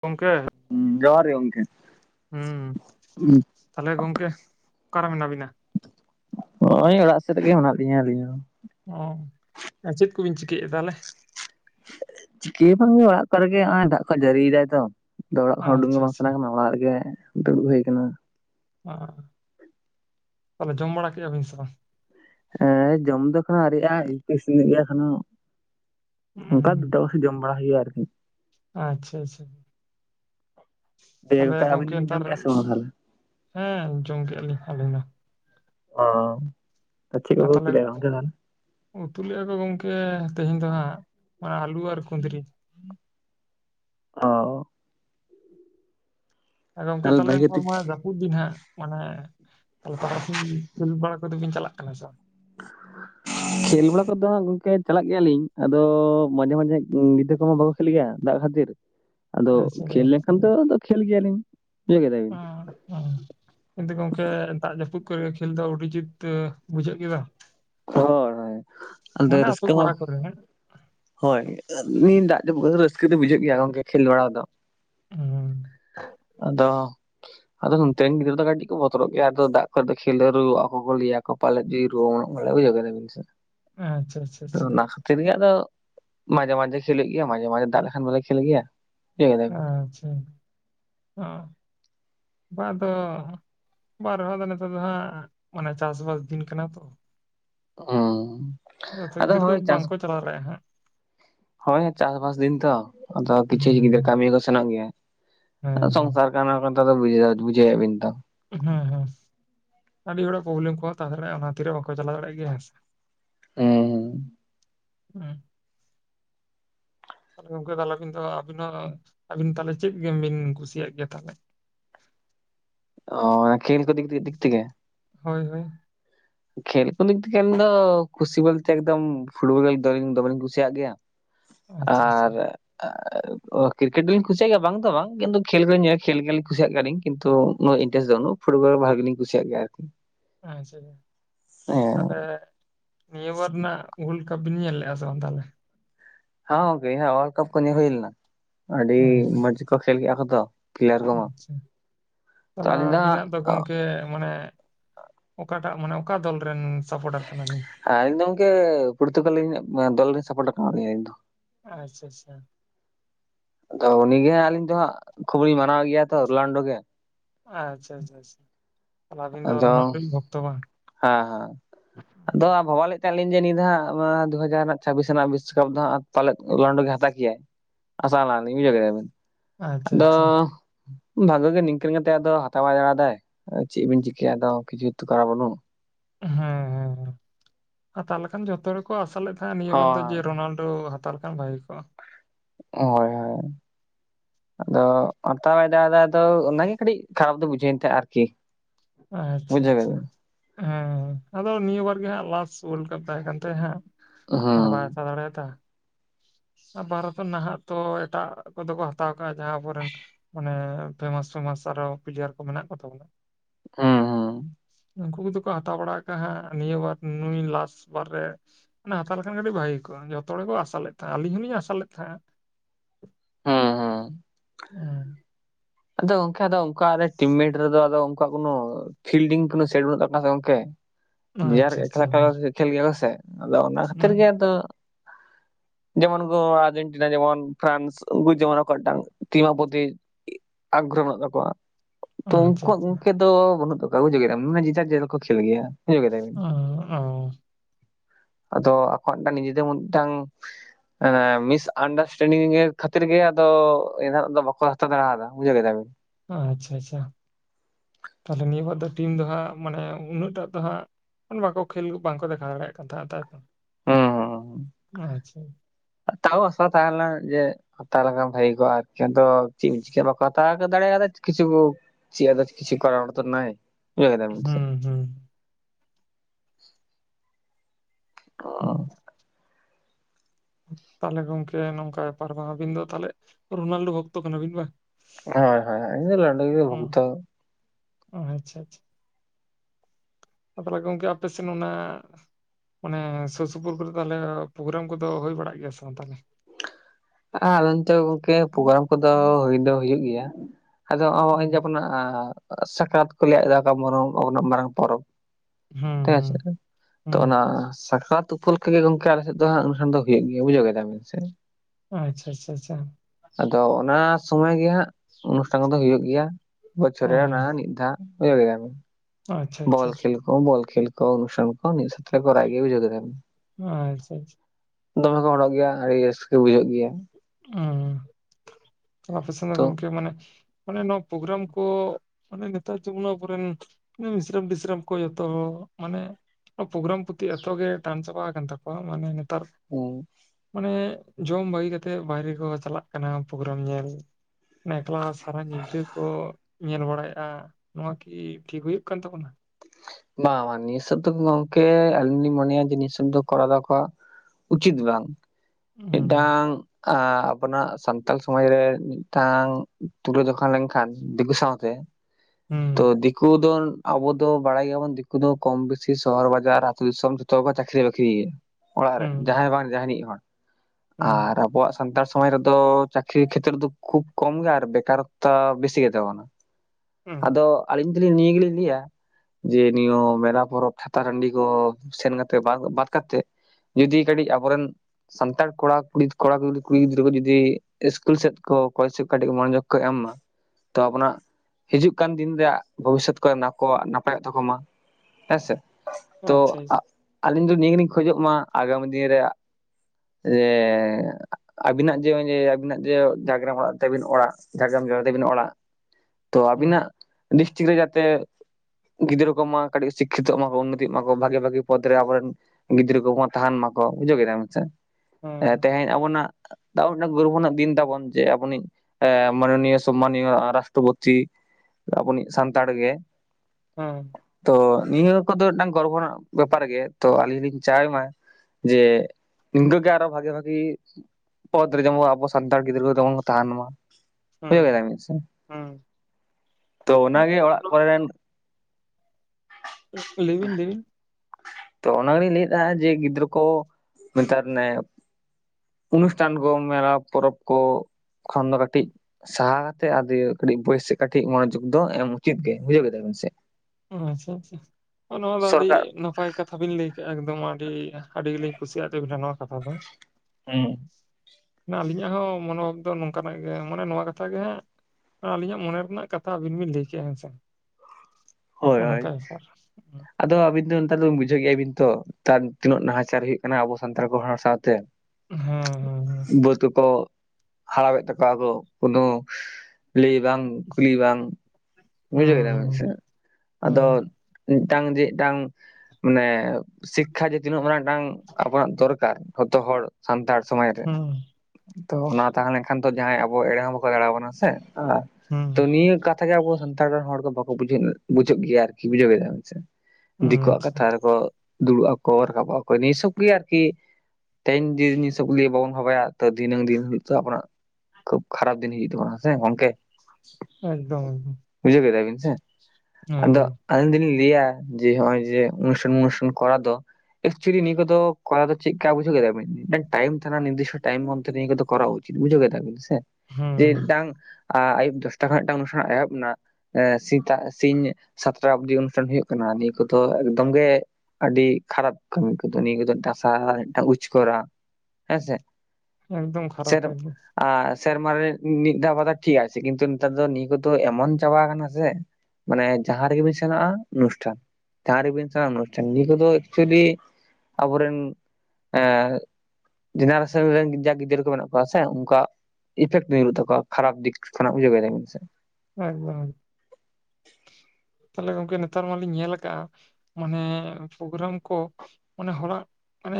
ᱜᱚᱝᱠᱮ ᱦᱩᱸ ᱡᱚᱦᱟᱨ ᱜᱮ ᱜᱚᱝᱠᱮ᱾ ᱦᱩᱸ ᱛᱟᱦᱚᱞᱮ ᱜᱚᱝᱠᱮ ᱚᱠᱟᱨᱮ ᱢᱮᱱᱟᱜ ᱵᱤᱱᱟ? ᱦᱚᱜᱚᱭ ᱚᱲᱟᱜ ᱥᱮᱫ ᱨᱮᱜᱮ ᱢᱮᱱᱟᱜ ᱞᱤᱧᱟᱹ ᱟᱹᱞᱤᱧ ᱫᱚ ᱾ ᱚ ᱟᱨ ᱪᱮᱫ ᱠᱚᱵᱤᱱ ᱪᱤᱠᱟᱹᱭᱮᱜᱟ ᱛᱟᱦᱟᱞᱮ? ᱪᱤᱠᱟᱹ ᱵᱟᱝ ᱜᱮ ᱚᱲᱟᱜ ᱠᱚᱨᱮᱜ ᱜᱮ ᱱᱚᱜᱚᱭ ᱫᱟᱜ ᱠᱚᱭ ᱡᱟᱹᱨᱤ ᱫᱟᱭ ᱛᱚ᱾ ᱟᱫᱚ ᱚᱲᱟᱜ ᱠᱷᱚᱱ ᱩᱰᱩᱝ ᱜᱮ ᱟᱪᱪᱷᱟ ᱵᱟᱝ ᱟᱪᱪᱷᱟ ᱥᱟᱱᱟ ᱠᱟᱱᱟ ᱚᱲᱟᱜ ᱨᱮᱜᱮ ᱫᱩᱲᱩᱵ ᱦᱩᱭ ᱠᱟᱱᱟ ᱾ ᱚ ᱛᱟᱦᱚᱞᱮ ᱡᱚᱢ ᱵᱟᱲᱟ ᱠᱮᱫᱟ ᱵᱤᱱ ᱥᱮ ᱵᱟᱝ? ᱦᱮᱸ ᱡᱚᱢ ᱫᱚ ᱮᱠᱷᱚᱱᱳ ᱟᱣᱨᱤᱭᱜ-ᱟ ᱤᱥᱤᱱᱮᱜ ᱜᱮᱭᱟ ᱚᱱᱠᱟ ᱫᱩᱴᱟ ᱠᱚᱥᱮ᱾ ᱡᱚᱢ ᱵᱟᱲᱟ ᱦᱩᱭᱩᱜ-ᱟ ᱟᱨᱠᱤ᱾ ᱟᱪᱷᱟ ᱟᱪᱷᱟ ᱫᱤᱭᱮ ᱛᱟᱦᱚᱞᱮ ᱟᱵᱤᱱ ᱜᱚᱝᱠᱮ ᱫᱚᱵᱤᱱ ᱡᱚᱢ ᱱᱮᱛᱟᱨ ᱠᱮᱜᱼᱟ ᱥᱮ ᱵᱟᱝ ᱛᱟᱦᱚᱞᱮ? ᱦᱮᱸ ᱡᱚᱢ ᱠᱮᱜᱟ ᱞᱤᱧ ᱟᱹᱞᱤᱧ ᱫᱚ ᱾ ᱚ ᱾ ᱟᱨ ᱛᱟᱦᱚᱞᱮ ᱩᱛᱩ ᱞᱮᱜᱟ ᱠᱚ ᱜᱚᱝᱠᱮ ᱛᱮᱦᱮᱧ ᱫᱚ ᱦᱟᱸᱜ ᱢᱟᱱᱮ ᱟᱞᱩ ᱟᱨ ᱠᱩᱸᱫᱽᱨᱤ ᱚ ᱟᱨ ᱜᱚᱝᱠᱮ ᱛᱟᱦᱚᱞᱮ ᱛᱟᱞᱦᱮ ᱵᱷᱟᱜᱮ ᱱᱮᱛᱟᱨ ᱴᱷᱤᱠ ᱢᱟ ᱦᱟᱸᱜ ᱡᱟᱹᱯᱩᱫ ᱫᱤᱱ ᱦᱟᱸᱜ᱾ ᱢᱟᱱᱮ ᱛᱟᱞᱦᱮ ᱛᱟᱨᱟᱥᱤᱧ ᱠᱷᱮᱞ ᱵᱟᱲᱟ ᱠᱚᱫᱚ ᱵᱤᱱ ᱪᱟᱞᱟᱜ ᱠᱟᱱᱟ ᱥᱮ ᱵᱟᱝ? ᱠᱷᱮᱞ ᱵᱟᱲᱟ ᱠᱚᱫᱚ ᱜᱚᱝᱠᱮ ᱪᱟᱞᱟᱜ ᱜᱮᱭᱟᱞᱤᱧ ᱟᱫᱚ ᱢᱟᱡᱷᱮ ᱢᱟᱡᱷᱮ ᱜᱤᱫᱽᱨᱟᱹ ᱠᱚᱢᱟ ᱵᱟᱠᱚ ᱠᱷᱮᱞ ᱜᱮᱭᱟ ᱫᱟᱜ ᱠᱷᱟᱹᱛᱤᱨ᱾ [unintelligible] ᱟᱫᱚ ᱟᱪᱪᱷᱟ ᱠᱷᱮᱞ ᱞᱮᱱᱠᱷᱟᱱ ᱫᱚ ᱟᱫᱚ ᱠᱷᱮᱞ ᱜᱮᱭᱟᱞᱤᱧ ᱵᱩᱡᱷᱟᱹᱣ ᱠᱮᱫᱟ ᱚ ᱵᱤᱱ᱾ ᱠᱤᱱᱛᱩ ᱜᱚᱝᱠᱮ ᱫᱟᱜ ᱡᱟᱯᱩᱫ ᱠᱚᱨᱮ ᱠᱷᱮᱞ ᱫᱚ ᱟᱹᱰᱤ ᱡᱩᱛ ᱵᱩᱡᱷᱟᱹᱜ ᱜᱮᱫᱚ ᱾ ᱦᱳᱭ ᱦᱳᱭ᱾ ᱟᱫᱚ ᱚᱱᱟ ᱟᱛᱩ ᱨᱟᱹᱥᱠᱟᱹ ᱢᱟ ᱯᱟᱲᱟ ᱠᱚᱨᱮ ᱦᱮᱸ ᱾ ᱦᱳᱭ ᱱᱤᱭᱟᱹ ᱫᱟᱜ ᱡᱟᱯᱩᱫ ᱫᱚ ᱨᱟᱹᱥᱠᱟᱹ ᱫᱚ ᱵᱩᱡᱷᱟᱹᱜ ᱜᱮᱭᱟ ᱜᱚᱝᱠᱮ ᱠᱷᱮᱞ ᱵᱟᱲᱟ ᱫᱚ ᱾ [unintelligible] ᱟᱫᱚ ᱟᱫᱚ ᱱᱚᱱᱛᱮ ᱨᱮᱱ ᱜᱤᱫᱽᱨᱟᱹ ᱫᱚ ᱠᱟᱹᱴᱤᱡ ᱠᱚ ᱵᱚᱛᱚᱨᱚᱜ ᱜᱮᱭᱟ ᱟᱫᱚ ᱫᱟᱜ ᱠᱚᱨᱮ ᱫᱚ ᱠᱷᱮᱞ ᱨᱩᱣ ᱟᱠᱚ ᱠᱚ ᱞᱟᱹᱭᱟᱠᱚ ᱾ ᱯᱟᱞᱮ ᱡᱤ ᱨᱳᱣ ᱵᱩᱡᱷᱟᱹᱣ ᱠᱮᱫᱵᱤᱱ ᱥᱮ ᱟᱪᱪᱷᱟ ᱟᱪᱪᱷᱟ ᱟᱪᱪᱷᱟ ᱚᱱᱟ! ᱛᱤᱨᱤᱭᱟᱜ ᱫᱚ ᱢᱟᱡᱷᱮ ᱢᱟᱡᱷᱮ ᱠᱷᱮᱞᱳᱜ ᱜᱮᱭᱟ ᱢᱟᱡᱷᱮ ᱢᱟᱡᱷᱮ ᱫᱟᱜ ᱞᱮᱠᱷᱟᱱ ᱫᱚᱞᱮ ᱠᱷᱮᱞ ᱜᱮᱭᱟ᱾ ᱵᱩᱡᱷᱟᱹᱣ ᱠᱮᱫᱟ ᱵᱤᱱ ᱟᱪᱷᱟ ᱦᱩᱸ ᱵᱟᱸ ᱫᱚ ᱵᱟᱸ ᱨᱮᱦᱚᱸ ᱱᱤᱛᱚᱜ ᱫᱚ ᱫᱚ ᱦᱟᱸᱜ ᱢᱟᱱᱮ ᱪᱟᱥᱵᱟᱥ ᱫᱤᱱ ᱠᱟᱱᱟ ᱛᱚ᱾ ᱦᱩᱸ ᱡᱚᱛᱚ ᱟᱫᱚ ᱜᱤᱫᱽᱨᱟᱹ ᱫᱚ ᱦᱳᱭ ᱪᱟᱥ ᱵᱟᱝᱠᱚ ᱪᱟᱞᱟᱣ ᱫᱟᱲᱮᱭᱟᱜᱼᱟ ᱦᱟᱸᱜ ᱦᱳᱭ ᱪᱟᱥ-ᱵᱟᱥ ᱫᱤᱱ ᱛᱚ ᱟᱫᱚ ᱠᱤᱪᱷᱩ ᱦᱩᱸ ᱜᱤᱫᱽᱨᱟᱹ ᱦᱩᱸ ᱠᱟᱹᱢᱤ ᱠᱚ ᱥᱮᱱᱚᱜ ᱜᱮᱭᱟ᱾ ᱦᱮᱸ ᱥᱚᱝᱥᱟᱨ ᱠᱟᱱᱟ ᱠᱚ ᱛᱚ ᱫᱚ ᱵᱩᱡᱷᱟᱹᱣ ᱵᱩᱡᱷᱟᱹᱣᱮᱫᱼᱟ ᱵᱤᱱ ᱛᱚ᱾ ᱦᱩᱸ ᱦᱩᱸ ᱟᱹᱰᱤ ᱦᱚᱲᱟᱜ ᱯᱨᱚᱵᱽᱞᱮᱢ ᱠᱚ ᱛᱟᱦᱮᱸ ᱫᱟᱲᱮᱭᱟᱜᱼᱟ ᱚᱱᱟ ᱛᱤᱨᱮ ᱵᱟᱠᱚ ᱪᱟᱞᱟᱣ ᱫᱟᱲᱮᱭᱟᱜ ᱜᱮᱭᱟ ᱦᱮᱸᱥ ᱦᱮᱸ ᱦᱩᱸ ᱛᱟᱦᱮ ᱜᱚᱝᱠᱮ ᱛᱞᱤᱱ ᱫᱚ ᱟᱹᱵᱤᱱ ᱦᱚᱸ ᱟᱹᱵᱤᱱ ᱛᱟᱦᱚᱞᱮ ᱪᱮᱫ ᱜᱮᱢ ᱵᱤᱱ ᱠᱩᱥᱤᱭᱟᱜ ᱜᱮᱭᱟ ᱛᱟᱦᱚᱞᱮ ᱳ ᱠᱷᱮᱞ ᱠᱩ ᱤᱠ ᱫᱤᱠ ᱛᱮᱠᱮ ᱦᱳᱭ ᱦᱳᱭ ᱠᱷᱮᱞ ᱠᱚ ᱫᱤᱠ ᱫᱚ ᱠᱩᱥᱤ ᱵᱚᱞᱛᱮ ᱮᱠᱫᱚᱢ ᱯᱷᱩᱴᱵᱳᱞ ᱫᱚ ᱫᱚᱢᱤᱧ ᱠᱩᱥᱤᱭᱟᱜ ᱜᱮᱭᱟ ᱟᱪᱪᱷᱟ ᱟᱪᱪᱷᱟ ᱟᱨ ᱠᱨᱤᱠᱮᱴ ᱫᱚᱞᱤᱧ ᱠᱩᱥᱤᱭᱟᱜ ᱜᱮᱭᱟ ᱵᱟᱝ ᱛᱚ ᱵᱟᱝ ᱠᱤᱱᱛᱩ ᱠᱷᱮᱞ ᱠᱚ ᱧᱩᱭᱟ ᱠᱷᱮᱞ ᱜᱮᱧ ᱠᱩᱥᱤᱭᱟᱜ ᱠᱟᱱᱟᱞᱤᱧ ᱠᱤᱱᱛᱩ ᱩᱱᱟᱹᱜ ᱤᱱᱴᱮᱥ ᱫᱚ ᱵᱟᱹᱱᱩᱜ ᱯᱷᱩᱴᱵᱚᱞ ᱵᱷᱟᱜ ᱜᱮᱞᱤᱧ ᱠᱩᱤᱭᱟᱜ ᱜᱮᱭᱟ ᱟᱨᱠᱤ ᱟᱪᱷᱟ [unintelligible] ᱦᱮᱸ ᱛᱟᱦᱞᱮ ᱱᱤᱭᱟᱹ ᱵᱟᱨ ᱨᱮᱱᱟᱜ ᱦᱩᱞ ᱠᱟᱵᱤᱱ ᱧᱮᱞ ᱞᱮᱫᱼᱟ ᱥᱮ ᱵᱟᱝ ᱛᱟᱦᱚᱞᱮ ᱦᱮᱸ ᱜᱳᱝᱠᱮ ᱦᱮᱸ ᱳᱣᱟᱞᱠᱟᱯ ᱠᱚ ᱧᱮᱞ ᱦᱩᱭ ᱞᱮᱱᱟ ᱟᱹᱰᱤ ᱢᱚᱡᱽ ᱜᱮ ᱠᱚ ᱠᱷᱮᱞ ᱠᱮᱫᱼᱟ ᱦᱳ ᱫᱚ ᱟᱪᱷᱟ ᱛᱟᱦᱞᱮ ᱟᱹᱞᱤᱧ ᱟᱹᱵᱤᱱᱟᱜ ᱫᱚ ᱦᱟᱸᱜ ᱜᱚᱢᱠᱮ ᱢᱟᱱᱮ ᱚᱠᱟᱴᱟᱜ ᱢᱟᱱᱮ ᱚᱠᱟ ᱫᱚᱞ ᱨᱮᱱ ᱥᱟᱯᱳᱴᱟᱨ ᱠᱟᱱᱟᱵᱤᱱ? ᱦᱮᱸ ᱤᱧᱫᱚ ᱜᱚᱝᱠᱮ ᱯᱩᱨᱛᱩᱜᱟᱞ ᱫᱚᱞᱨᱮᱧ ᱥᱟᱯᱳᱴ ᱠᱟᱣᱫᱮᱭᱟ ᱟᱪᱷᱟ ᱟᱪᱷᱟ ᱟᱫᱚ ᱩᱱᱤᱜᱮ ᱫᱚᱦᱟᱸ ᱠᱷᱚᱵᱚᱨ ᱢᱟᱱᱟᱣ ᱜᱮᱭᱟ ᱛᱚ ᱨᱳᱞᱟᱱᱰᱳ ᱜᱮ ᱟᱪᱷᱟ ᱟᱪᱷᱟ ᱟᱪᱷᱟ ᱛᱟᱦᱞᱮ ᱟᱹᱵᱤᱱ ᱫᱚ ᱨᱳᱱᱟᱞᱰᱳᱧ ᱵᱷᱚᱠᱛᱚ ᱵᱟᱝ? ᱦᱟᱸ ᱦᱟᱸ ᱟᱫᱚ ᱵᱷᱟᱵᱟ ᱞᱮᱫ ᱛᱟᱦᱮᱸᱱ ᱟᱞᱤᱧ ᱡᱮ ᱱᱤᱛ ᱫᱚ ᱦᱟᱸᱜ ᱟᱵᱳᱣᱟᱜ ᱫᱩ ᱦᱟᱡᱟᱨ ᱪᱷᱟᱵᱤᱥ ᱨᱮᱱᱟᱜ ᱵᱤᱥᱚᱠᱟᱯ ᱫᱚ ᱦᱟᱸᱜ ᱯᱟᱞᱮᱫ ᱞᱟᱸᱰᱩ ᱜᱮ ᱦᱟᱛᱟᱣ ᱠᱮᱜᱼᱟᱭ᱾ [inaudible] ᱟᱥᱟᱱᱟᱜ ᱜᱮ ᱤᱭᱟᱹ ᱜᱮ ᱟᱪᱪᱷᱟ ᱟᱫᱚ ᱟᱪᱪᱷᱟ ᱵᱷᱟᱜᱮ ᱜᱮ ᱱᱤᱝᱠᱟᱹ ᱠᱟᱛᱮᱜ ᱟᱫᱚ ᱦᱟᱛᱟᱣ ᱵᱟᱭ ᱫᱟᱲᱟᱫᱟᱭ ᱪᱮᱫ ᱵᱤᱱ ᱪᱤᱠᱟᱹᱭᱟ ᱟᱫᱚ ᱠᱤᱪᱷᱩᱚ ᱠᱚᱨᱣᱟ ᱵᱟᱹᱱᱩᱜ ᱦᱮᱸ ᱦᱮᱸ ᱛᱟᱦᱚᱞᱮ ᱠᱷᱟᱱ ᱡᱷᱚᱛᱚ ᱦᱚᱲᱠᱚ ᱟᱥᱟ ᱞᱮᱫ ᱛᱟᱦᱮᱸᱱᱟ ᱱᱤᱭᱟᱹ ᱢᱚᱫᱽᱷᱮ ᱦᱳᱭ ᱡᱮ ᱨᱳᱱᱟᱞᱰᱳ ᱛᱚ ᱦᱟᱛᱟᱣ ᱞᱮᱠᱷᱟᱱ ᱵᱷᱟᱜᱤ ᱠᱚᱜᱼᱟ᱾ ᱦᱳᱭ ᱦᱳᱭ ᱟᱫᱚ ᱦᱟᱛᱟᱣᱮᱫᱟᱭᱫᱚ ᱟᱫᱚ ᱚᱱᱟᱜᱮ ᱠᱟᱹᱴᱤᱡ ᱠᱷᱟᱨᱟᱯ ᱫᱚ ᱵᱩᱡᱷᱟᱹᱣᱮᱱ ᱛᱟᱦᱮᱸᱫ ᱟᱨᱠᱤ ᱟᱪᱷᱟ ᱵᱩᱡᱷᱟᱹᱣ ᱠᱮᱫᱟ ᱟᱪᱷᱟ ᱵᱮᱱ? ᱦᱮᱸ ᱟᱫᱚ ᱱᱤᱭᱟᱹ ᱵᱟᱨ ᱜᱮ ᱦᱟᱸᱜ ᱞᱟᱥᱴ ᱣᱟᱞᱰ ᱠᱟᱯ ᱛᱟᱦᱮᱸ ᱠᱟᱱ ᱛᱟᱦᱮᱸ ᱦᱟᱸᱜ ᱦᱩᱸ ᱟᱨᱵᱟᱠᱷᱟᱡ ᱥᱟᱫᱟᱲᱛᱟ ᱵᱟᱨᱚᱛᱚ ᱱᱟᱦᱟᱜ ᱛᱚ ᱮᱴᱟᱜ ᱠᱚᱫᱚ ᱠᱚ ᱦᱟᱛᱟᱣ ᱠᱟᱜᱼᱟ ᱡᱟᱦᱟᱸ ᱟᱵᱚᱨᱮᱱ ᱢᱟᱱᱮ ᱯᱷᱮᱢᱟᱥ-ᱯᱷᱮᱢᱟᱥ ᱟᱨᱚ ᱯᱞᱮᱭᱟᱨ ᱠᱚ ᱢᱮᱱᱟᱜ ᱠᱚ ᱛᱟᱵᱚᱱᱟ᱾ ᱦᱩᱸ ᱦᱩᱸ ᱩᱱᱠᱩ ᱠᱚᱫᱚ ᱠᱚ ᱦᱟᱛᱟᱣ ᱵᱟᱲᱟ ᱟᱠᱟᱜ ᱦᱟᱸᱜ ᱱᱤᱭᱟᱹ ᱵᱟᱨ ᱱᱩᱭ ᱞᱟᱥ ᱵᱟᱨ ᱨᱮ ᱚᱱᱟ ᱦᱟᱛᱟᱣ ᱞᱮᱠᱷᱟᱱᱴᱤᱡ ᱵᱷᱟᱹᱜᱤ ᱠᱚᱜ-ᱟ ᱡᱚᱛᱚ ᱦᱚᱲ ᱜᱮ ᱠᱚ ᱟᱥᱟᱞ ᱞᱮᱫ ᱛᱟᱦᱮᱸᱜ, ᱟᱹᱞᱤᱧ ᱦᱚᱞᱤᱧ ᱟᱥᱟ ᱞᱮᱫ ᱛᱟᱦᱮᱸᱫ ᱦᱩᱸ ᱦᱩᱸ ᱦᱩᱸ ᱟᱫᱚ ᱜᱚᱝᱠᱮ ᱟᱫᱚ ᱚᱝᱠᱟ ᱟᱞᱮ ᱴᱤᱢᱮᱴ ᱨᱮᱫᱚ ᱟᱫᱚ ᱚᱝᱠᱟ ᱠᱚᱱᱚ ᱯᱷᱤᱞᱰᱤᱝ ᱠᱳᱱᱳ ᱥᱮᱴ ᱵᱟᱹᱱᱩᱜ ᱛᱟᱠᱚ ᱜᱚᱝᱠᱮ ᱱᱤᱡᱮᱨ ᱟᱪᱪᱷᱟ ᱮᱠᱟᱞ ᱟᱪᱪᱷᱟ ᱮᱠᱞᱟ ᱦᱩᱸ, ᱠᱷᱮᱞ ᱜᱮᱭᱟ ᱠᱚᱥᱮ, ᱟᱫᱚ ᱚᱱᱟ ᱠᱷᱟᱹᱛᱤᱨ ᱜᱮ ᱟᱫᱚ, [inaudible] ᱡᱮᱢᱚᱱ ᱠᱚ ᱟᱡᱮᱱᱴᱤᱱᱟ ᱡᱮᱢᱚᱱ ᱯᱷᱨᱟᱱᱥ ᱠᱚ ᱡᱮᱢᱚᱱ [unintelligible] ᱴᱤᱢᱟᱯᱚᱛᱤ ᱟᱜᱽᱨᱚᱦᱟ ᱢᱮᱱᱟᱜ ᱛᱟᱠᱚᱣᱟ ᱛᱚ ᱟᱪᱪᱷᱟ ᱩᱱᱠᱩᱣᱟᱜ ᱟᱪᱪᱷᱟ ᱦᱩᱸ, ᱜᱚᱝᱠᱮ, ᱫᱚ ᱵᱟᱹᱱᱩᱜ ᱛᱟᱠᱚ ᱵᱩᱡᱽ ᱠᱮᱫᱟᱢ [unintelligible] ᱠᱷᱮᱞ ᱜᱮᱭᱟ ᱵᱩᱡᱷᱟᱹᱣ ᱠᱮᱫᱟ ᱵᱤᱱ, ᱚ ᱟᱫᱚ ᱟᱠᱚᱣᱟᱜ [unintelligible] ᱱᱤᱡᱮᱛᱮ ᱢᱤᱜᱴᱟᱝ ᱮᱸ ᱢᱤᱥ ᱟᱱᱰᱟᱨᱥᱴᱮᱱᱰᱤᱝ ᱜᱮ ᱠᱷᱟᱹᱛᱤᱨ ᱜᱮ ᱟᱫᱚ ᱤᱱᱟᱹᱜ ᱫᱚ ᱵᱟᱠᱚ ᱦᱟᱛᱟᱣ ᱫᱟᱲᱮᱣᱟᱫᱟ᱾ ᱵᱩᱡᱦᱟᱹᱣ ᱠᱮᱫᱟ ᱵᱮᱱ ᱚᱸ ᱟᱪᱪᱷᱟ ᱟᱪᱪᱷᱟ, ᱛᱟᱦᱚᱞᱮ ᱱᱤᱭᱟᱹ ᱵᱟᱨ ᱫᱚ ᱴᱤᱢ ᱫᱚ ᱦᱟᱸᱜ ᱢᱟᱱᱮ ᱩᱱᱟᱹᱜᱴᱟᱜ ᱫᱚ ᱦᱟᱸᱜ ᱱᱚᱣᱟ ᱠᱚ ᱠᱷᱮᱞ ᱵᱟᱝᱠᱚ ᱫᱮᱠᱷᱟᱣ ᱫᱟᱲᱮᱭᱟᱜ ᱠᱟᱱ ᱛᱟᱦᱮᱸᱱᱟ ᱱᱮᱛᱟᱨ ᱫᱚ᱾ ᱦᱩᱸ ᱦᱩᱸ ᱦᱩᱸ ᱦᱩᱸ᱾ ᱟᱪᱪᱷᱟ, ᱛᱟᱣᱚ ᱟᱥᱟ ᱛᱟᱦᱮᱸᱞᱮᱱ ᱡᱮ, ᱦᱟᱛᱟᱣ ᱞᱮᱠᱷᱟᱱ ᱵᱷᱟᱜᱮ ᱠᱚᱜ-ᱟ ᱟᱨᱠᱤ ᱟᱫᱚ ᱪᱮᱜ ᱵᱤᱱ ᱪᱤᱠᱟᱹ ᱵᱟᱠᱚ ᱦᱟᱛᱟᱣ ᱫᱟᱲᱮ [unintelligible] ᱠᱤᱪᱷᱩ ᱠᱚ ᱪᱮᱜ ᱟᱫᱚ ᱠᱤᱪᱷᱩ ᱠᱚ ᱟᱨ ᱨᱚᱲ ᱛᱚ ᱱᱟᱭ ᱵᱩᱡᱷᱟᱹᱣ ᱠᱮᱫᱟ ᱵᱤᱱ ᱥᱮ ᱦᱩᱸ ᱦᱩᱸ᱾ ᱚ, ᱛᱟᱦᱚᱞᱮ ᱜᱚᱝᱠᱮ ᱱᱚᱝᱠᱟᱭ ᱯᱟᱨᱚᱢᱟ ᱟᱹᱵᱤᱱ ᱫᱚ ᱛᱟᱦᱚᱞᱮ ᱨᱳᱱᱟᱞᱰᱳ ᱵᱷᱚᱠᱛᱚ ᱠᱟᱱᱟᱵᱤᱱ ᱵᱟᱝ᱾ ᱦᱳᱭ ᱦᱳᱭ ᱦᱳᱭ ᱤᱧ ᱜᱮ ᱨᱳᱱᱟᱞᱰᱳ ᱵᱷᱚᱛᱚ, ᱚ ᱟᱪᱪᱷᱟ ᱟᱪᱪᱷᱟ᱾ ᱟ ᱛᱟᱦᱚᱞᱮ ᱜᱚᱝᱠᱮ ᱟᱯᱮ ᱥᱮᱱ ᱚᱱᱟ ᱢᱟᱱᱮ ᱥᱩᱨ ᱥᱩᱯᱩᱨ ᱠᱚᱨᱮ ᱛᱟᱦᱚᱞᱮ ᱯᱨᱳᱜᱨᱟᱢ ᱠᱚᱫᱚ ᱦᱩᱭ ᱵᱟᱲᱟᱜ ᱜᱮᱭᱟ ᱥᱮ ᱵᱟᱝ ᱛᱟᱦᱚᱞᱮ? ᱟ ᱱᱤᱛᱚᱜ ᱜᱚᱝᱠᱮ ᱯᱨᱳᱜᱨᱟᱢ ᱠᱚᱫᱚ ᱦᱩᱭ ᱫᱚ ᱦᱩᱭᱩᱜ ᱜᱮᱭᱟ᱾ ᱟᱫᱚ ᱦᱚᱸᱜ-ᱚᱭ ᱦᱩᱸ ᱡᱮᱵᱚᱱᱟᱜ ᱥᱟᱠᱨᱟᱛ ᱠᱚ [unintelligible] ᱟᱵᱚᱱᱟᱜ ᱢᱟᱨᱟᱝ ᱯᱚᱨᱚᱵᱽ ᱴᱷᱤᱠ ᱟᱪᱮ ᱦᱩᱸ ᱨᱮ, ᱛᱚ ᱦᱩᱸ ᱚᱱᱟ ᱥᱟᱠᱨᱟᱛ ᱛᱩᱯᱚᱞ [unintelligible] ᱜᱚᱝᱠᱮ ᱟᱞᱮᱥᱮᱜ ᱫᱚ ᱦᱟᱸᱜ ᱚᱱᱩᱥᱴᱟᱱ ᱫᱚ ᱦᱩᱭᱩᱜ ᱜᱮᱭᱟ ᱵᱩᱡᱷᱟᱹᱣ ᱠᱮᱫᱟᱵᱤᱱ ᱥᱮ, ᱟᱪᱪᱷᱟ ᱟᱪᱪᱷᱟ ᱟᱪᱪᱷᱟ᱾ ᱟᱫᱚ ᱚᱱᱟ ᱥᱚᱢᱚᱭ ᱜᱮ ᱦᱟᱸᱜ ᱚᱱᱩᱥᱴᱷᱟᱱ ᱠᱚᱫᱚ ᱦᱩᱭᱩᱜ ᱜᱮᱭᱟ᱾ ᱵᱚᱪᱷᱚᱨ ᱚ ᱨᱮ ᱚᱱᱟ ᱢᱤᱜ ᱫᱷᱟᱣ ᱵᱩᱡᱦᱟᱹᱣ ᱠᱮᱫᱟ ᱵᱤᱱ᱾ ᱟᱪᱪᱷᱟ ᱟᱪᱪᱷᱟ ᱟᱪᱪᱷᱟ ᱵᱚᱞ ᱟᱪᱪᱷᱟ ᱠᱷᱮᱞ ᱠᱚ ᱵᱚᱞ ᱠᱷᱮᱞ ᱠᱚ ᱚᱱᱩᱥᱴᱟᱱ ᱠᱚ ᱢᱤᱜ ᱥᱟᱶᱛᱮ ᱠᱚᱨᱟᱣ ᱜᱮᱭᱟ ᱵᱩᱡᱷᱟᱹᱣ ᱠᱮᱫᱟ ᱵᱤᱱ᱾ ᱟᱪᱪᱷᱟ ᱟᱪᱪᱷᱟ᱾ ᱫᱚᱢᱮ ᱠᱚ ᱦᱚᱲᱚᱜ ᱜᱮᱭᱟ ᱟᱹᱰᱤ ᱨᱟᱹᱥᱠᱟᱹ ᱵᱩᱡᱷᱟᱹᱜ ᱜᱮᱭᱟ᱾ ᱦᱩᱸ ᱟᱨ ᱟᱯᱮ ᱥᱮᱱ ᱫᱚ ᱛᱚ ᱜᱚᱝᱠᱮ ᱢᱟᱱᱮ ᱢᱟᱱᱮ ᱱᱚᱣᱟ ᱯᱨᱳᱜᱨᱟᱢ ᱠᱚ ᱢᱟᱱᱮ ᱱᱮᱛᱟᱨ ᱡᱮᱢᱚᱱ ᱟᱵᱚᱨᱮᱱ, ᱚᱱᱮ ᱢᱤᱥ ᱨᱟᱢ ᱰᱤᱥ ᱨᱟᱢ ᱠᱚ ᱡᱚᱛᱚ ᱦᱚᱲ ᱢᱟᱱᱮ ᱯᱨᱳᱜᱨᱟᱢ ᱯᱩᱛᱤ ᱮᱛᱚ ᱜᱮ ᱴᱟᱱ ᱪᱟᱵᱟ ᱠᱟᱱ ᱛᱟᱠᱚᱣᱟ ᱢᱟᱱᱮ ᱱᱮᱛᱟᱨ ᱦᱩᱸ ᱢᱟᱱᱮ ᱡᱚᱢ ᱵᱟᱹᱜᱤ ᱠᱟᱛᱮᱜ ᱵᱟᱭᱨᱮ ᱠᱚ ᱪᱟᱞᱟᱜ ᱠᱟᱱᱟ ᱯᱨᱳᱜᱨᱟᱢ ᱧᱮᱞ ᱮᱠᱞᱟ ᱥᱟᱨᱟ ᱧᱤᱫᱟᱹ ᱠᱚ ᱧᱮᱞ ᱵᱟᱲᱟᱭᱮᱜ-ᱟ ᱱᱚᱣᱟ ᱠᱤ ᱴᱷᱤᱠ ᱦᱩᱭᱩᱜ ᱠᱟᱱ ᱛᱟᱵᱚᱱᱟ? ᱵᱟᱝ ᱵᱟᱝ ᱱᱤᱭᱟᱹᱥᱚᱫ ᱜᱟᱝᱠᱮ ᱟᱹᱞᱤᱧ ᱞᱤᱧ ᱢᱚᱱᱮᱭᱟ ᱡᱮ ᱱᱤᱭᱟᱹᱥᱚᱫ ᱠᱚᱨᱟᱣ ᱫᱟᱠᱚ ᱩᱪᱤᱛ ᱵᱟᱝ ᱦᱩᱸ ᱢᱤᱜᱴᱟᱝ ᱟᱸ ᱟᱵᱚᱱᱟᱜ ᱥᱟᱱᱛᱟᱞ ᱥᱚᱢᱟᱡᱽ ᱨᱮ ᱢᱤᱜᱴᱟᱝ ᱛᱩᱞᱟᱹ ᱡᱚᱠᱷᱟ ᱞᱮᱱᱠᱷᱟᱱ ᱫᱤᱠᱩ ᱥᱟᱶᱛᱮ ᱦᱩᱸ, ᱛᱚ ᱫᱤᱠᱩ ᱫᱚ ᱟᱵᱚᱫ, ᱫᱚ ᱵᱟᱲᱟᱭ ᱜᱮᱭᱟᱵᱚᱱ ᱫᱤᱠᱩ ᱫᱚ, ᱠᱚᱢ ᱵᱮᱥᱤ ᱥᱚᱦᱚᱨ ᱵᱟᱡᱟᱨ ᱟᱹᱛᱩ ᱫᱤᱥᱚᱢ ᱡᱷᱚᱛᱚ ᱦᱚᱲ ᱠᱚ, ᱪᱟᱠᱨᱤ ᱵᱟᱹᱠᱨᱤ ᱜᱮᱭᱟ᱾ ᱚᱲᱟᱜ ᱨᱮ ᱦᱩᱸ ᱡᱟᱦᱟᱸᱭ ᱵᱟᱝ ᱡᱟᱦᱟᱱᱤᱡ ᱦᱚᱲ, ᱟᱨ ᱦᱩᱸ ᱟᱵᱚᱣᱟᱜ, ᱥᱟᱱᱛᱟᱲ ᱥᱚᱢᱟᱡᱽ ᱨᱮᱫᱚ, ᱪᱟᱹᱠᱨᱤ ᱠᱷᱮᱛᱨᱮ ᱫᱚ ᱠᱷᱩᱵ ᱠᱚᱢ ᱜᱮ, ᱟᱨ ᱵᱮᱠᱟᱨᱚᱛᱟ ᱵᱮᱥᱤ ᱜᱮ ᱛᱟᱵᱚᱱᱟ᱾ [unintelligible] [inaudible] [inaudible] ᱟᱫᱚ ᱟᱹᱞᱤᱧ ᱫᱚᱞᱤᱧ ᱱᱤᱭᱟᱹ ᱜᱮ ᱞᱤᱧ ᱞᱟᱹᱭᱟ᱾ ᱡᱮ ᱱᱤᱭᱟᱹ ᱢᱮᱞᱟ ᱯᱚᱨᱚᱵᱽ ᱪᱷᱟᱛᱟ ᱴᱟᱺᱰᱤ ᱠᱚ, ᱥᱮᱱ ᱠᱟᱛᱮ ᱵᱟᱫ ᱠᱟᱛᱮᱜ, ᱡᱩᱫᱤ ᱠᱟᱹᱴᱤᱡ ᱟᱵᱚᱨᱮᱱ ᱥᱟᱱᱛᱟᱲ ᱠᱚᱲᱟ-ᱠᱩᱲᱤ ᱠᱚᱲᱟ-ᱠᱩᱲᱤ ᱠᱩᱲᱤ ᱜᱤᱫᱽᱨᱟᱹ ᱠᱚ, ᱡᱩᱫᱤ ᱤᱥᱠᱩᱞ ᱥᱮᱫ ᱠᱚ ᱠᱚᱞᱡᱽ ᱥᱮᱫ ᱠᱚ ᱠᱟᱹᱴᱤᱡ ᱢᱚᱱᱚᱡᱳᱜᱽ ᱠᱚ ᱮᱢ ᱢᱟ᱾ ᱛᱚ ᱟᱵᱚᱱᱟᱜ ᱦᱤᱡᱩᱜ ᱠᱟᱱ ᱫᱤᱱ ᱨᱮᱭᱟᱜ ᱵᱷᱚᱵᱤᱥᱥᱚᱛ ᱠᱚ, ᱟᱠᱚᱣᱟᱜ ᱱᱟᱯᱟᱭᱚᱜ ᱛᱟᱠᱚ ᱢᱟ ᱦᱮ ᱥᱮ᱾ ᱛᱚ ᱟᱪᱪᱷᱟ ᱟᱪᱪᱷᱟ ᱟᱹᱞᱤᱧ ᱫᱚ ᱱᱤᱭᱟᱹ ᱜᱮᱞᱤᱧ ᱠᱷᱚᱡᱚᱜ ᱢᱟ, ᱟᱜᱟᱢᱤ ᱫᱤᱱ ᱨᱮ ᱡᱮᱻ, ᱟᱹᱵᱤᱱᱟᱜ ᱡᱮ ᱚᱡᱮ ᱟᱹᱵᱤᱱᱟᱜ ᱡᱮ, ᱡᱷᱟᱲᱜᱨᱟᱢ ᱚᱲᱟᱜ ᱛᱟᱹᱵᱤᱱ ᱚᱲᱟᱜ ᱡᱷᱟᱲᱜᱨᱟᱢ ᱡᱮᱞᱟ ᱛᱟᱹᱵᱤᱱ ᱚᱲᱟᱜ᱾ ᱛᱚ ᱦᱩᱸ ᱟᱵᱤᱱᱟᱜ ᱰᱤᱥᱴᱤᱠ ᱨᱮ ᱡᱟᱛᱮ ᱜᱤᱫᱽᱨᱟᱹ ᱠᱚᱢᱟ ᱠᱟᱹᱴᱤᱡ ᱥᱤᱠᱠᱷᱤᱛᱚᱜ ᱢᱟ ᱠᱚ, ᱩᱱᱱᱚᱛᱤᱜ ᱢᱟ ᱠᱚ ᱵᱷᱟᱜᱤ ᱵᱷᱟᱜᱤ ᱯᱚᱫᱽ ᱨᱮ ᱟᱵᱚᱨᱮᱱ᱾ ᱜᱤᱫᱽᱨᱟᱹ ᱠᱚᱢᱟ ᱛᱟᱦᱮᱱ ᱢᱟᱠᱚ ᱵᱩᱡᱷᱟᱹᱣ ᱠᱮᱫᱟᱢ ᱥᱮ, ᱦᱮᱸ ᱛᱮᱦᱮᱧ ᱟᱵᱚᱱᱟᱜ ᱛᱟ ᱳ ᱢᱤᱫᱴᱟᱝ ᱜᱚᱨᱵᱚ ᱨᱮᱱᱟᱜ ᱫᱤᱱ ᱛᱟᱵᱚᱱ, ᱡᱮ ᱟᱵᱚᱱᱤᱡ ᱢᱟᱱᱚᱱᱤᱭᱚ ᱥᱚᱢᱢᱟᱱᱤᱭᱚ ᱨᱟᱥᱴᱨᱚᱯᱚᱛᱤ ᱟᱵᱚᱱᱤᱡ ᱥᱟᱱᱛᱟᱲ ᱜᱮ᱾ ᱦᱮᱸ, ᱛᱚ ᱱᱤᱭᱟᱹ ᱠᱚᱫᱚ ᱢᱤᱫᱴᱟᱝ ᱜᱚᱨᱵᱚ ᱨᱮᱱᱟᱜ ᱵᱮᱯᱟᱨ ᱜᱮ, ᱛᱚ ᱟᱹᱞᱤᱧ ᱞᱤᱧ ᱪᱟᱭ ᱢᱟ ᱡᱮ ᱱᱤᱱᱠᱟᱹ ᱜᱮ ᱟᱨᱦᱚ ᱵᱷᱟᱜᱤ ᱵᱷᱟᱜᱤ ᱯᱚᱫ ᱨᱮ, ᱡᱮᱢᱚᱱ ᱟᱵᱚ ᱥᱟᱱᱛᱟᱲ ᱜᱤᱫᱽᱨᱟᱹ ᱠᱚ ᱡᱮᱢᱚᱱ ᱛᱟᱦᱮᱱ ᱢᱟ᱾ ᱵᱩᱡᱷᱟᱹᱣ ᱠᱮᱫᱟ ᱦᱮᱸ ᱵᱤᱱ ᱥᱮ, ᱦᱮᱸ ᱛᱚ ᱚᱱᱟᱜᱮ ᱦᱮᱸ ᱚᱲᱟᱜ ᱠᱚᱨᱮᱱ ᱞᱟᱹᱭᱵᱤᱱ ᱞᱟᱹᱭᱵᱤᱱ᱾ ᱛᱚ ᱚᱱᱟᱜᱮᱞᱤᱧ ᱞᱟᱹᱭᱮᱫᱟ ᱫᱟ, ᱡᱮ ᱜᱤᱫᱽᱨᱟᱹ ᱠᱚ ᱱᱮᱛᱟᱨ ᱱᱮ ᱚᱱᱩᱥᱴᱷᱟᱱ ᱠᱚ ᱢᱮᱞᱟ ᱯᱚᱨᱚᱵᱽ ᱠᱚ, ᱠᱷᱚᱱ ᱫᱚ ᱠᱟᱹᱴᱤᱡ ᱥᱟᱦᱟ ᱛᱮ ᱟᱫᱚ ᱠᱟᱹᱴᱤᱡ ᱯᱩᱭᱥᱟᱹ ᱠᱟᱹᱴᱤᱡ ᱢᱚᱱᱳᱚᱡᱳᱜᱽ ᱫᱚ, ᱮᱢ ᱩᱪᱤᱛ ᱜᱮ ᱵᱩᱡᱷᱟᱹᱣ ᱠᱮᱫᱟᱵᱮᱱ ᱥᱮ? ᱚ ᱟᱪᱪᱷᱟ, ᱟᱪᱪᱷᱟ, ᱱᱚᱣᱟ ᱫᱚ ᱟᱹᱰᱤ ᱥᱚᱨᱠᱟᱨ ᱱᱟᱯᱟᱭ᱾ ᱠᱟᱛᱷᱟᱵᱤᱱ ᱞᱟᱹᱭ ᱠᱮᱜ-ᱟ, ᱮᱠᱫᱚᱢ ᱟᱹᱰᱤ ᱟᱹᱰᱤ ᱜᱮᱞᱤᱧ ᱠᱩᱥᱤᱭᱟᱜ ᱛᱟᱹᱵᱤᱱᱟ ᱱᱚᱣᱟ ᱾ ᱠᱟᱛᱷᱟ ᱫᱚ᱾ ᱦᱩᱸ ᱢᱟᱱᱮ ᱟᱞᱤᱧᱟᱜ ᱦᱚᱸ, ᱢᱚᱱᱳᱵᱷᱟᱵ ᱫᱚ, ᱱᱚᱝᱠᱟᱱᱟᱜ ᱜᱮ ᱢᱟᱱᱮ ᱱᱚᱣᱟ ᱠᱟᱛᱷᱟ ᱜᱮ ᱦᱟᱜ᱾ ᱟᱹᱞᱤᱧᱟᱜ ᱢᱚᱱᱮ ᱨᱮᱱᱟᱜ ᱠᱟᱛᱷᱟ, ᱟᱹᱵᱤᱱ ᱵᱤᱱ ᱞᱟᱹᱭ ᱠᱮᱜ-ᱟ ᱦᱮᱸ ᱥᱮ᱾ ᱦᱳᱭ ᱦᱳᱭ ᱟᱫᱚ ᱟᱹᱵᱤᱱ ᱫᱚ ᱱᱮᱛᱟᱨ ᱫᱚᱤᱱ ᱵᱩᱡᱷᱟᱹᱣ ᱠᱮᱫ ᱟᱹᱵᱤᱱ ᱛᱚ, ᱱᱮᱛᱟᱨ ᱛᱤᱱᱟᱹᱜ ᱱᱟᱦᱟᱪᱟᱨ ᱦᱳᱭᱳᱜ ᱠᱟᱱᱟ ᱟᱵᱚ ᱥᱟᱱᱛᱟᱲ ᱠᱚ, ᱦᱚᱲ ᱥᱟᱶᱛᱮ᱾ ᱦᱚᱸ, ᱦᱚᱸ, ᱦᱚᱸ᱾ ᱵᱟᱹᱫ ᱠᱚ ᱦᱟᱨᱟᱣᱮᱫ ᱛᱟᱠᱚᱣᱟ ᱠᱚ, ᱠᱳᱱᱳ ᱞᱟᱹᱭ ᱵᱟᱝ᱾ ᱠᱩᱞᱤ ᱵᱟᱝ᱾ ᱵᱩᱡᱷᱟᱹᱣ ᱠᱮᱫᱟᱵᱤᱱ ᱦᱩᱸ ᱥᱮ, ᱦᱩᱸ ᱟᱫᱚ ᱢᱤᱫᱴᱟᱝ ᱡᱮ ᱢᱤᱫᱴᱟᱝ ᱢᱟᱱᱮ ᱥᱤᱠᱠᱷᱟ ᱡᱮ ᱛᱤᱱᱟᱹᱜ ᱢᱟᱨᱟᱝ ᱢᱤᱫ ᱴᱟᱝ ᱟᱵᱚᱱᱟᱜ ᱫᱚᱨᱠᱟᱨ, ᱡᱚᱛᱚ ᱦᱚᱲ ᱥᱟᱱᱛᱟᱲ ᱥᱚᱢᱟᱡᱽ ᱨᱮ᱾ ᱦᱩᱸ ᱛᱚ ᱚᱱᱟ ᱛᱟᱦᱮᱸ ᱞᱮᱱᱠᱷᱟᱱ ᱛᱚ, ᱡᱟᱦᱟᱸᱭ ᱟᱵᱚ ᱮᱲᱮ ᱦᱚᱸ ᱵᱟᱠᱚ ᱮᱲᱮ ᱫᱟᱲᱮ ᱟᱵᱚᱱᱟ ᱥᱮ, ᱚ ᱦᱩᱸ ᱛᱚ ᱱᱤᱭᱟᱹ ᱠᱟ, ᱠᱟᱛᱷᱟ ᱠᱟᱛᱷᱟ ᱜᱮ ᱟᱵᱚ ᱥᱟᱱᱛᱟᱲ ᱨᱮᱱ ᱦᱚᱲ ᱫᱚ, ᱵᱟᱠᱚ ᱵᱩᱡᱷᱟᱹᱜ ᱵᱩᱡᱷᱟᱹᱣ ᱜᱮᱭᱟ ᱟᱨᱠᱤ, ᱵᱩᱡᱷᱟᱹᱣ ᱠᱮᱫᱟ ᱵᱤᱱ ᱥᱮ᱾ ᱫᱤᱠᱩ ᱣᱟᱜ ᱟᱪᱪᱷᱟ ᱠᱟᱛᱷᱟ ᱨᱮᱠᱚ, ᱫᱩᱲᱩᱵ ᱟᱠᱚ ᱨᱟᱠᱟᱵ ᱟᱠᱚ, ᱱᱤᱭᱟᱹ ᱥᱚᱵ ᱜᱮ ᱟᱨᱠᱤ᱾ ᱛᱮᱦᱮᱧ ᱡᱮ ᱡᱤᱱᱤᱥ ᱟᱵᱚ ᱜᱮ ᱵᱟᱵᱚ ᱵᱷᱟᱵᱟᱭᱟ, ᱛᱚ ᱫᱷᱤᱱᱟᱹᱝ ᱫᱤᱱ ᱦᱤᱞᱚᱜ ᱫᱚ ᱟᱵᱟᱱᱟᱜ᱾ ᱠᱷᱩᱵ ᱠᱷᱟᱨᱟᱯ ᱫᱤᱱ ᱦᱤᱡᱩᱜ ᱛᱟᱵᱚᱱᱟ ᱥᱮ ᱜᱚᱝᱠᱮ? ᱮᱠᱫᱚᱢ ᱮᱠᱫᱚᱢ᱾ ᱵᱩᱡᱷᱟᱹᱣ ᱠᱮᱫᱟ ᱵᱤᱱ ᱥᱮ ᱟᱫᱚ, ᱦᱳᱭ ᱟᱹᱞᱤᱧ ᱫᱚᱞᱤᱧ ᱞᱟᱹᱭᱟ ᱡᱮ ᱦᱚᱸᱜ-ᱚᱭ ᱡᱮ ᱩᱱᱩᱥᱴᱷᱟᱱ ᱢᱩᱱᱩᱥᱴᱷᱟᱱ ᱠᱚᱨᱟᱣ ᱫᱚ, ᱮᱠᱪᱩᱭᱞᱤ ᱱᱤᱭᱟᱹ ᱠᱚ ᱫᱚ ᱠᱚᱨᱟᱣ ᱫᱚ ᱪᱮᱜᱠᱟ ᱵᱩᱡᱷᱟᱹᱣ ᱠᱮᱫᱟ ᱵᱤᱱ ᱮᱠ᱾ ᱴᱟᱭᱤᱢ ᱛᱮᱦᱮᱱᱟ ᱱᱤᱨᱫᱤᱥᱴᱚ ᱴᱟᱭᱤᱢ ᱢᱚᱫᱷᱮ ᱱᱤᱭᱟᱹ ᱠᱚᱫᱚ ᱠᱚᱨᱟᱣ ᱩᱪᱤᱛ ᱵᱩᱡᱷᱟᱹᱣ ᱠᱮᱫᱟ ᱵᱤᱱ ᱥᱮ ᱮ ᱦᱩᱸ ᱴᱟᱝ ᱟ ᱟᱭᱩᱵ ᱫᱚᱥᱴᱟ ᱠᱷᱚᱡ ᱢᱤᱫᱴᱟᱝ ᱚᱱᱩᱥᱟᱜ ᱮᱦᱚᱵ ᱱᱟ᱾ ᱮ ᱥᱤᱛᱟᱜ ᱥᱤᱧ ᱥᱟᱛᱴᱟ ᱚᱵᱽᱫᱤ ᱚᱱᱩᱥᱴᱷᱟᱱ ᱦᱩᱭᱩᱜ ᱠᱟᱱᱟ᱾ ᱱᱤᱭᱟᱹ ᱠᱚᱫᱚ ᱮᱠᱫᱚᱢ ᱜᱮ ᱟᱹᱰᱤ ᱠᱷᱟᱨᱟᱯ ᱠᱟᱹᱢᱤ ᱠᱚᱫᱚ ᱱᱤᱭᱟᱹ ᱠᱚᱫᱚ ᱫᱟᱥᱟ ᱢᱤᱫᱴᱟ ᱩᱪᱠᱚᱨᱟ ᱦᱮᱸ ᱥᱮ ᱮᱠᱫᱚᱢ ᱠᱷᱟᱨᱟᱯ ᱜᱮ ᱮᱠᱫᱚᱢ ᱟ ᱥᱮᱨᱢᱟᱨᱮ ᱢᱤᱜ ᱫᱷᱟ ᱵᱟᱝ ᱫᱷᱟ ᱴᱷᱤᱠ ᱟᱪᱮ ᱠᱤᱱᱛᱩ ᱱᱮᱛᱟᱨ ᱫᱚ ᱱᱤᱭᱟᱹ ᱠᱚᱫᱚ ᱮᱢᱚᱱ ᱪᱟᱵᱟ ᱠᱟᱱᱟ ᱥᱮ ᱢᱟᱱᱮ ᱡᱟᱦᱟᱸ ᱨᱮᱜᱮᱵᱤᱱ ᱥᱮᱱᱚᱜᱼᱟ ᱚᱱᱩᱥᱴᱷᱟᱱ ᱡᱟᱦᱟᱸ ᱨᱮᱵᱤᱱ ᱥᱮᱬᱟ ᱚᱱᱩᱥᱴᱷᱟᱱ ᱱᱤᱭᱟᱹ ᱠᱚᱫᱚ ᱮᱠᱪᱩᱭᱞᱤ ᱟᱵᱚᱨᱮᱱ ᱮ ᱡᱮᱱᱟᱨᱮᱥᱮᱱ ᱨᱮᱱ ᱡᱟ ᱜᱤᱫᱟᱹᱨ ᱠᱚ ᱢᱮᱱᱟᱜ ᱠᱚᱣᱟ ᱥᱮ ᱚᱱᱠᱟ ᱤᱯᱷᱮᱠᱴ ᱨᱮ ᱱᱩᱨᱩᱜ ᱛᱟᱠᱚᱣᱟ ᱠᱷᱟᱨᱟᱯ ᱫᱤᱠ ᱠᱷᱚᱱᱟᱜ ᱵᱩᱡᱷᱟᱹᱣ ᱠᱮᱫᱟ ᱵᱤᱱ ᱥᱮ ᱮᱠᱫᱚᱢ ᱮᱠ ᱛᱟᱦᱞᱮ ᱜᱚᱝᱠᱮ ᱱᱮᱛᱟᱨ ᱢᱟᱞᱤᱧ ᱧᱮᱞ ᱟᱠᱟᱜᱼᱟ᱾ ᱢᱟᱱᱮᱻ ᱯᱳᱜᱨᱟᱢ ᱠᱚ ᱢᱟᱱᱮ ᱦᱚᱲᱟᱜ ᱢᱟᱱᱮ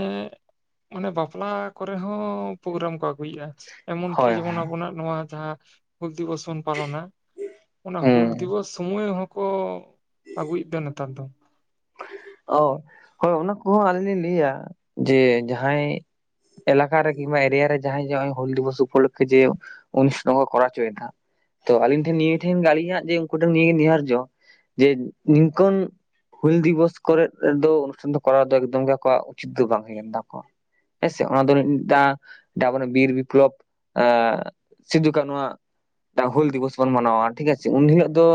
ᱢᱟᱱᱮ ᱵᱟᱯᱞᱟ ᱠᱚᱨᱮ ᱦᱚᱸᱻ ᱯᱳᱜᱨᱟᱢ ᱠᱚ ᱟᱹᱜᱩᱭᱮᱜᱼᱟ ᱮᱢᱚᱱ ᱠᱤ ᱦᱳᱭ ᱡᱮᱢᱚᱱ ᱟᱵᱚᱱᱟᱜ ᱱᱚᱣᱟ ᱡᱟᱦᱟᱸ ᱦᱩᱞ ᱫᱤᱵᱚᱥ ᱵᱚᱱ ᱯᱟᱞᱚᱱᱟ ᱚᱱᱟ ᱦᱩᱞ ᱦᱩᱸ ᱫᱤᱵᱚᱥ ᱥᱩᱢᱟᱹᱭ ᱦᱚᱸᱠᱚ ᱟᱹᱜᱩᱭᱮᱫᱫᱟ ᱱᱮᱛᱟᱨ ᱫᱚ ᱚ ᱦᱳᱭ ᱚᱱᱟ ᱠᱚᱦᱚᱸ ᱟᱹᱞᱤᱧ ᱞᱤᱧ ᱞᱟᱹᱭᱟ ᱡᱮ ᱡᱟᱦᱟᱸᱭ ᱮᱞᱟᱠᱟ ᱨᱮᱜᱤ ᱠᱤᱢᱟ ᱮᱨᱤᱭᱟ ᱨᱮ ᱡᱟᱦᱟᱸᱭ ᱡᱚ ᱦᱚᱸᱜᱼᱚᱭ ᱦᱩᱞ ᱫᱤᱵᱚᱥ ᱩᱯᱚᱞᱚᱠᱠᱷᱮ ᱡᱮ ᱩᱱᱤᱥ ᱠᱚᱸᱜᱚ ᱠᱚᱨᱟᱣ ᱪᱚᱭᱫᱟ᱾ ᱛᱚ ᱟᱹᱞᱤᱧ ᱴᱷᱮᱱ ᱱᱤᱭᱟᱹ ᱴᱷᱮᱱ ᱟᱹᱞᱤᱧᱟᱜ ᱡᱮ ᱩᱱᱠᱩ ᱴᱷᱮᱱ ᱱᱤᱭᱟᱹᱜᱮ ᱱᱤᱦᱟᱨᱡᱚ ᱡᱮ ᱱᱤᱝᱠᱚᱱ ᱦᱩᱞ ᱫᱤᱵᱚᱥ ᱠᱚᱨᱮᱫ ᱫᱚ ᱚᱱᱩᱥᱴᱷᱟᱱ ᱫᱚ ᱠᱚᱨᱟᱣ ᱫᱚ ᱮᱠᱫᱚᱢ ᱜᱮ ᱟᱠᱚᱣᱟᱜ ᱩᱪᱤᱛ ᱫᱚ ᱵᱟᱝ ᱦᱩᱭ ᱠᱟᱱ ᱛᱟᱠᱚᱣᱟ᱾ ᱦᱮᱸ ᱥᱮ ᱚᱱᱟ ᱫᱚ ᱫᱟᱸ ᱰᱟ ᱢᱟᱱᱮ ᱵᱤᱨ ᱵᱤᱯᱞᱚᱵ ᱮᱸᱻ ᱥᱤᱫᱩᱠᱟᱱᱩᱣᱟᱜ ᱫᱟ ᱦᱩᱞ ᱫᱤᱵᱚᱥ ᱵᱚᱱ ᱢᱟᱱᱟᱣᱟ ᱴᱷᱤᱠ ᱟᱪᱷᱮ, ᱩᱱ ᱦᱤᱞᱳᱜ ᱫᱚ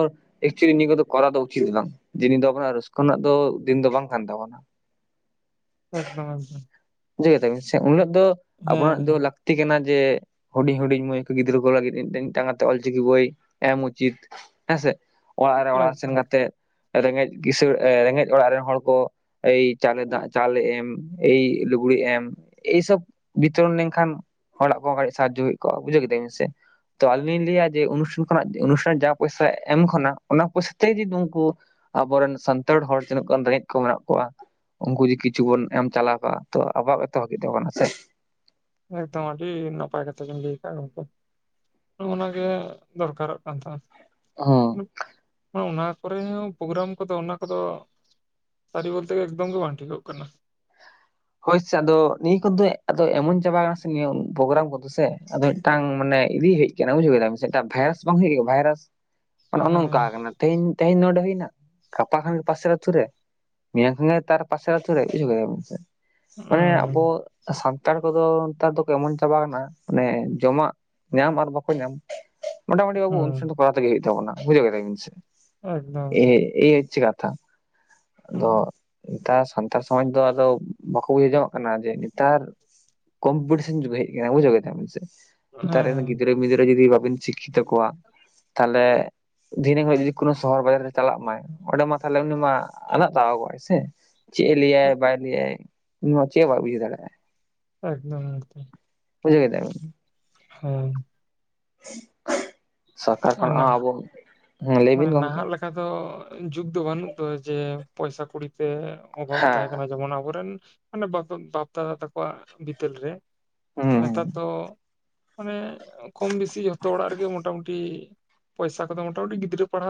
ᱮᱠᱪᱩᱭᱞᱤ ᱱᱤᱭᱟᱹ ᱠᱚᱫᱚ ᱠᱚᱨᱟᱣ ᱫᱚ ᱩᱪᱤᱛ ᱵᱟᱝ ᱡᱮ ᱫᱤᱱ ᱫᱚ ᱟᱵᱚᱱᱟᱜ ᱨᱟᱹᱥᱠᱟᱹ ᱨᱮᱱᱟᱜ ᱫᱚ ᱫᱤᱱ ᱫᱚ ᱵᱟᱝ ᱠᱟᱱ ᱛᱟᱵᱚᱱᱟ᱾ ᱮᱠᱫᱚᱢ ᱮᱠᱫᱚᱢ ᱾ ᱡᱟᱹᱣ ᱠᱮᱫᱟ ᱵᱮᱱ ᱥᱮ ᱩᱱᱟᱹᱜ ᱫᱚ ᱟᱵᱚᱱᱟᱜ ᱫᱚ ᱦᱮᱸ ᱞᱟᱠ ᱛᱤ ᱠᱟᱱᱟ ᱡᱮ ᱦᱩᱰᱤᱧ ᱦᱩᱰᱤᱧ ᱢᱟᱹᱭ ᱠᱚ ᱜᱤᱫᱽᱨᱟᱹ ᱠᱚ ᱞᱟᱹᱜᱤᱫ ᱤᱫ ᱴᱤᱝ ᱴᱟᱝ ᱠᱟᱛᱮ ᱚᱞ ᱪᱤᱠᱤ ᱵᱳᱭ ᱮᱢ ᱩᱪᱤᱛ᱾ ᱦᱮᱸᱥᱮ ᱚᱲᱟᱜ ᱨᱮ ᱚᱲᱟᱜ ᱥᱮᱱ ᱮᱠᱫᱚᱢ ᱠᱟᱛᱮᱫ ᱨᱮᱸᱜᱮᱡ ᱠᱤᱥᱟᱹᱬ ᱨᱮᱸᱜᱮᱡ ᱚᱲᱟᱜ ᱨᱮᱱ ᱦᱚᱲ ᱠᱚ ᱮᱭ ᱪᱟᱞᱮ ᱫᱟᱜ ᱪᱟᱞᱮ ᱮᱢ ᱮᱭ ᱞᱩ ᱠᱩᱲᱤ ᱮᱢ ᱮᱭᱥᱚᱵ ᱵᱤᱛᱚᱨᱚᱱ ᱞᱮᱱᱠᱷᱟᱱ ᱦᱚᱲᱟᱜ ᱠᱚᱸ ᱠᱟᱹᱡ ᱥᱟᱦᱟᱡᱽᱡᱚ ᱦᱩᱭ ᱠᱚᱜᱼᱟ, ᱵᱩᱡᱷᱟᱹᱣ ᱠᱤᱫᱟᱵᱮ ᱥᱮ? ᱛᱚ ᱟᱞᱤᱧ ᱞᱤᱧ ᱞᱟᱹᱭᱟ ᱡᱮ ᱚᱱᱩᱥᱩᱞ ᱠᱷᱚᱱᱟᱜ ᱚᱱᱩᱥᱴᱷᱟᱱ ᱡᱟ ᱯᱚᱭᱥᱟ ᱮᱢ ᱠᱷᱚᱱᱟᱜ ᱚᱱᱟ ᱯᱚᱥᱛᱮ ᱡᱤᱫ ᱩᱱᱠᱩ ᱟᱵᱚᱨᱮᱱ ᱥᱟᱱᱛᱟᱲ ᱦᱚᱲ ᱛᱤᱱᱟᱹᱜ ᱜᱟᱱ ᱨᱮᱸᱜᱮᱡ ᱠᱚ ᱢᱮᱱᱟᱜ ᱠᱚᱣᱟ ᱩᱱᱠᱩ ᱡᱮ ᱠᱤᱪᱷᱩ ᱵᱚᱱ ᱮᱢ ᱪᱟᱞᱟᱣ ᱠᱟᱜ ᱛᱚ ᱟᱵᱚᱣᱟᱜ ᱜᱮᱛᱚ ᱵᱷᱟᱜᱤ ᱫᱚ ᱛᱟᱵᱚᱱᱟ ᱥᱮ ᱮᱠᱫᱚᱢ ᱟᱹᱰᱤ ᱱᱟᱯᱟᱭ ᱠᱟᱛᱟ ᱜᱮᱢ ᱞᱟᱹᱭ ᱠᱟᱜᱼᱟ ᱜᱚᱝᱠᱮ ᱾ ᱱᱚᱜᱼᱚ ᱱᱚᱣᱟ ᱜᱮ ᱫᱚᱨᱠᱟᱨᱚᱜ ᱠᱟᱱ ᱛᱟᱥ ᱩᱦᱩᱸ ᱚᱱᱟ ᱠᱚᱨᱮ ᱦᱚᱸ ᱯᱳᱜᱨᱟᱢ ᱠᱚᱫᱚ ᱚᱱᱟ ᱠᱚᱫᱚ ᱥᱟᱹᱨᱤ ᱵᱚᱞᱛᱮᱜᱮ ᱮᱠᱫᱚᱢ ᱜᱮ ᱵᱟᱝ ᱴᱷᱤᱠᱩᱜ ᱠᱟᱱᱟ᱾ ᱦᱳᱭᱥᱮ ᱟᱫᱚ ᱱᱤᱭᱟᱹ ᱠᱚᱫᱚ ᱟᱫᱚ ᱮᱢᱚᱱ ᱪᱟᱵᱟ ᱟᱠᱟᱱᱟ ᱥᱮ ᱱᱤᱭᱟᱹ ᱯᱳᱜᱨᱟᱢ ᱠᱚᱫᱚ ᱥᱮ ᱟᱫᱚ ᱢᱤᱫᱴᱟᱝ ᱢᱟᱱᱮ ᱤᱫᱤ ᱦᱤᱡ ᱪᱮᱜ ᱟᱱᱟ ᱵᱩᱡᱷᱟᱹᱣ ᱠᱮᱫᱟ ᱵᱮᱥᱮ ᱮᱴᱟᱜ ᱵᱷᱟᱭᱨᱟᱥ ᱵᱟᱝ ᱦᱩᱭᱩᱜ ᱵᱷᱟᱭᱨᱟᱥ ᱦᱮᱸ ᱚᱱᱚᱼᱚᱱᱚᱝᱠᱟ ᱟᱠᱟᱱᱟ ᱾ ᱛᱮᱦᱮᱧ ᱛᱮᱦᱮᱧ ᱱᱚᱰᱮ ᱦᱩᱭᱱᱟ ᱜᱟᱯᱟ ᱠᱷᱟᱱ ᱜᱮ ᱯᱟᱥᱮᱨ ᱟᱛᱩ ᱨᱮ᱾ ᱢᱮᱭᱟᱝ ᱠᱷᱟᱱ ᱜᱮ ᱛᱟᱨ ᱯᱟᱥᱮᱨ ᱟᱛᱩ ᱨᱮ ᱵᱩᱡᱷᱟᱹᱣ ᱠᱮᱫᱟ ᱵᱤᱱ ᱥᱮ ᱢᱟᱱᱮ ᱦᱮᱸ ᱟᱵᱚ ᱥᱟᱱᱛᱟᱲ ᱠᱚᱫᱚ ᱱᱮᱛᱟᱨ ᱫᱚᱠᱮ ᱮᱢᱚᱱ ᱪᱟᱵᱟ ᱟᱠᱟᱱᱟ ᱢᱟᱱᱮ ᱡᱚᱢᱟᱜ ᱧᱟᱢ ᱟᱨ ᱵᱟᱠᱚ ᱧᱟᱢ ᱢᱚᱴᱟᱢᱩᱴᱤ ᱵᱟᱹᱵᱩ ᱩᱱ ᱥᱚᱢ ᱦᱮᱸ ᱫᱚ ᱠᱚᱨᱟᱣ ᱛᱮᱜᱮ ᱦᱩᱭᱩᱜ ᱛᱟᱵᱚᱱᱟ ᱵᱩᱡᱷᱟᱹᱣ ᱠᱮᱫᱟ ᱵᱤᱱ ᱥᱮ᱾ ᱮᱠᱫᱚᱢ ᱮ ᱮᱠᱫᱚᱢ ᱮᱭ ᱦᱳᱪᱪᱷᱮ ᱠᱟᱛᱷᱟ᱾ ᱟᱫᱚ ᱦᱩᱸ, ᱱᱮᱛᱟᱨ ᱥᱟᱱᱛᱟᱲ ᱥᱚᱢᱟᱡᱽ ᱫᱚ ᱟᱫᱚᱼᱼ ᱵᱟᱠᱚ ᱵᱩᱡᱷ ᱡᱚᱝᱟᱜ ᱠᱟᱱᱟ ᱡᱮ ᱱᱮᱛᱟᱨ ᱠᱚᱢᱯᱤᱴᱤᱥᱮᱱ ᱡᱩᱜ ᱨᱮ ᱦᱮᱡ ᱠᱟᱱᱟ ᱵᱩᱡᱷᱟᱹᱣ ᱠᱮᱫᱟ ᱵᱤᱱ ᱥᱮ᱾ ᱱᱮᱛᱟᱨ ᱨᱮᱱ ᱦᱮᱸ ᱜᱤᱫᱽᱨᱟᱹ ᱢᱤᱫᱽᱨᱟᱹ ᱡᱩᱫᱤ ᱵᱟᱵᱤᱱ ᱥᱤᱠᱠᱷᱤᱛᱚ ᱠᱚᱣᱟ ᱛᱟᱦᱞᱮᱼᱼ ᱫᱷᱤᱱᱟᱹᱝ ᱦᱤᱞᱳᱜ ᱡᱩᱫᱤ ᱠᱳᱱᱳ ᱥᱚᱦᱚᱨ ᱵᱟᱡᱟᱨ ᱨᱮ ᱪᱟᱞᱟᱜ ᱢᱟᱭ ᱚᱸᱰᱮ ᱢᱟ ᱛᱟᱦᱞᱮ ᱩᱱᱤ ᱢᱟ ᱟᱫᱟᱜ ᱛᱟᱣᱟᱜᱚᱜ-ᱟᱭ ᱥᱮ᱾ ᱪᱮᱜ-ᱮ ᱞᱟᱹᱭᱟᱭ ᱵᱟᱭ ᱞᱟᱹᱭᱟᱭ ᱩᱱᱤ ᱢᱟ ᱪᱮᱫ ᱦᱚᱸ ᱵᱟᱭ ᱵᱩᱡᱷᱟᱹᱣ ᱫᱟᱲᱮᱭᱟᱜ-ᱟ᱾ ᱮᱠᱫᱚᱢ ᱦᱮ ᱛᱚ᱾ ᱵᱩᱡᱷᱟᱹᱣ ᱠᱮᱫᱟ ᱵᱤᱱ᱾ ᱦᱳᱭ᱾ ᱥᱟᱨᱠᱟᱨ ᱟᱨ ᱠᱷᱚᱱᱟᱜ ᱦᱚᱸ ᱟᱵᱚ, ᱦᱮ ᱞᱟᱹᱭ ᱵᱤᱱ ᱜᱚᱝᱠᱮᱼᱼ ᱚᱱᱠᱟ ᱫᱚ ᱡᱩᱜ ᱫᱚ ᱵᱟᱹᱱᱩᱜ ᱫᱚ ᱡᱮ ᱯᱚᱭᱥᱟ ᱠᱚᱲᱤ ᱛᱮᱼᱼ ᱚᱵᱷᱟᱵ ᱛᱟᱦᱮᱸ ᱦᱮᱸ ᱠᱟᱱᱟ ᱡᱮᱢᱚᱱ ᱟᱵᱚᱨᱮᱱ ᱦᱟᱱᱮ ᱵᱟᱫᱚᱱ ᱫᱟ ᱫᱟᱫᱟ ᱛᱟᱠᱚᱣᱟᱜ ᱵᱤᱫᱟᱹᱞ ᱨᱮᱼᱼ ᱦᱮᱸ ᱦᱩᱸ ᱦᱩᱸ ᱱᱮᱛᱟᱨ ᱫᱚ ᱦᱟᱱᱮ ᱠᱚᱢ ᱵᱮᱥᱤ ᱡᱷᱚᱛᱚ ᱚᱲᱟᱜ ᱨᱮᱜᱮ ᱢᱚᱴᱟᱢᱩᱼᱼ ᱴᱤ ᱯᱚᱭᱥᱟ ᱠᱚᱫᱚ ᱢᱚᱴᱟᱢᱩᱴᱤ ᱜᱤᱫᱽᱨᱟᱹ ᱯᱟᱲᱦᱟᱣᱼᱼ